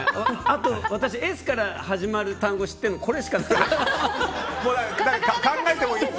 あと私Ｓから始まる単語知ってるのこれしかなかった。